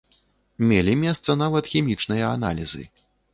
Мелі месца нават хімічныя аналізы.